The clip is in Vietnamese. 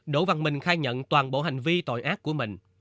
đỗ văn minh khai nhận toàn bộ hành vi tội ác của mình